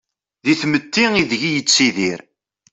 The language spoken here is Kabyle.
Di tmetti ideg-i yettidir.